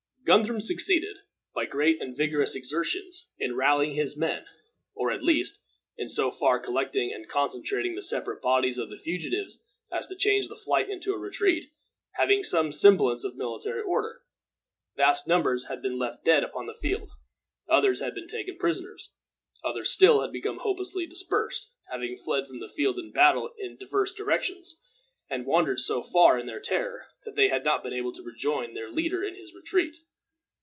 Guthrum succeeded, by great and vigorous exertions, in rallying his men, or, at least, in so far collecting and concentrating the separate bodies of the fugitives as to change the flight into a retreat, having some semblance of military order. Vast numbers had been left dead upon the field. Others had been taken prisoners. Others still had become hopelessly dispersed, having fled from the field of battle in diverse directions, and wandered so far, in their terror, that they had not been able to rejoin their leader in his retreat.